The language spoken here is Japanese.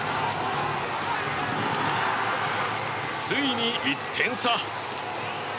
ついに１点差。